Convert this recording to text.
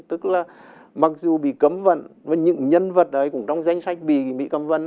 tức là mặc dù bị cấm vận và những nhân vật đấy cũng trong danh sách bị cấm vận